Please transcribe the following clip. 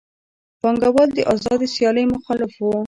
پانګوال د آزادې سیالۍ مخالف وو